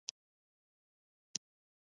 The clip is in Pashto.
مصنوعي ځیرکتیا د معلوماتو خپرېدل چټکوي.